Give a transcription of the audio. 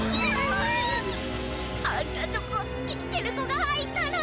あんなとこ生きてる子が入ったら。